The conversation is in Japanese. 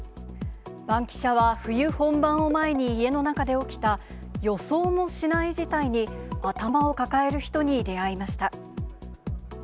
バンキシャは冬本番を前に、家の中で起きた、予想もしない事態に頭を抱える人に出会いました。